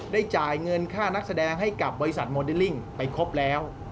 จ่ายเงินค่านักแสดงให้กับบริษัทโมเดลลิ่งไปครบแล้ว